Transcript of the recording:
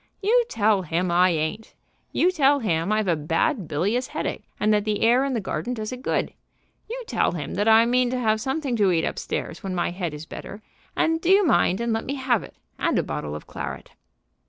"You tell him I ain't. You tell him I've a bad bilious headache, and that the air in the garden does it good. You tell him that I mean to have something to eat up stairs when my head is better; and do you mind and let me have it, and a bottle of claret."